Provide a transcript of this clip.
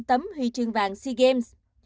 tấm huy chương vạn sea games